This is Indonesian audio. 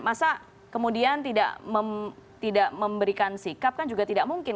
masa kemudian tidak memberikan sikap kan juga tidak mungkin